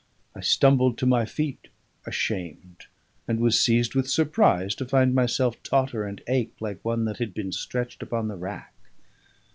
I stumbled to my feet ashamed, and was seized with surprise to find myself totter and ache like one that had been stretched upon the rack.